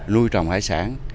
nuôi trồng hải sản